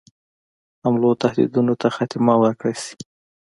حملو تهدیدونو ته خاتمه ورکړه شي.